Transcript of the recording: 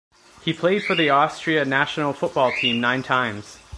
He played for the Austria national football team nine times.